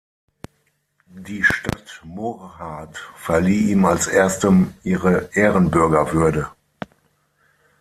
Die Stadt Murrhardt verlieh ihm als erstem ihre Ehrenbürgerwürde.